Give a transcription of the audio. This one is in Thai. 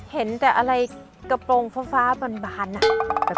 เห็นแต่อะไรกระโปรงฟ้าบานอ่ะ